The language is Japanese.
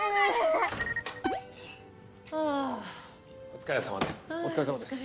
お疲れさまです。